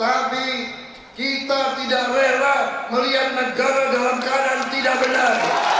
tapi kita tidak rela melihat negara dalam keadaan tidak benar